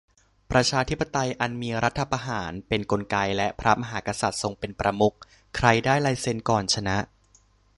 ประชาธิปไตยอันมีรัฐประหารเป็นกลไกและพระมหากษัตริย์ทรงเป็นประมุข ใครได้ลายเซ็นก่อนชนะ